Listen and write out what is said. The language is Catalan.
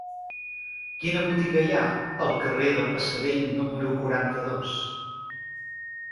Quina botiga hi ha al carrer del Passerell número quaranta-dos?